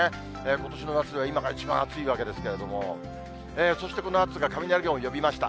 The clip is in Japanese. ことしの夏は今が一番暑いわけですけれども、そしてこの暑さが雷雲を呼びました。